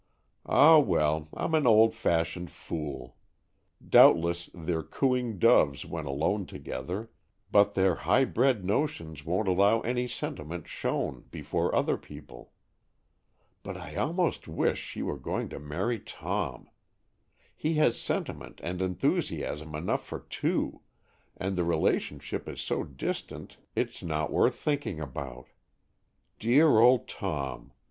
Ah, well, I'm an old fashioned fool. Doubtless, they're cooing doves when alone together, but their high bred notions won't allow any sentiment shown before other people. But I almost wish she were going to marry Tom. He has sentiment and enthusiasm enough for two, and the relationship is so distant it's not worth thinking about. Dear old Tom!